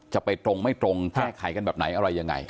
จะไปตรงไม่ตรงแก้ไขกันแบบไหนอะไรยังไง